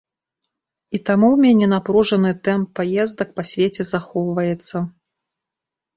І таму ў мяне напружаны тэмп паездак па свеце захоўваецца.